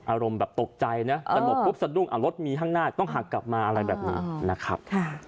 อารมณ์แบบตกใจเนอะอ่ารถมีข้างหน้าต้องหักกลับมาอะไรแบบนี้นะครับ